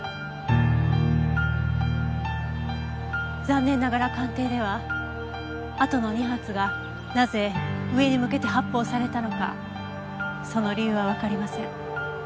残念ながら鑑定ではあとの２発がなぜ上に向けて発砲されたのかその理由はわかりません。